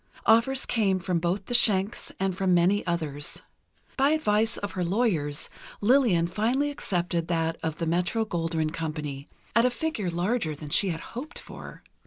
Offers came from both the Schencks, and from many others. By advice of her lawyers, Lillian finally accepted that of the Metro Goldwyn Company, at a figure larger than she had hoped for.